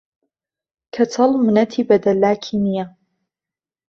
کەچەڵ منەتی بە دەلاکی نییە